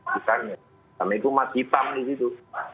misalnya sama itu mati tam di situ